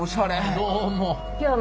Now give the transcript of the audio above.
どうも。